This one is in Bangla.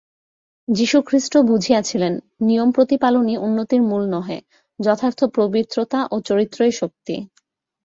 যীশুখ্রীষ্ট বুঝিয়াছিলেন, নিয়ম-প্রতিপালনই উন্নতির মূল নহে, যথার্থ পবিত্রতা ও চরিত্রই শক্তি।